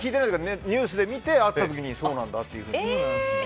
ネットニュースで見て会った時にそうなんだということで。